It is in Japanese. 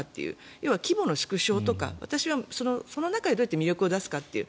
要は規模の縮小とか私はその中でどうやって魅力を出すかっていう。